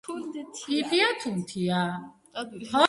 ფიფია თუნთია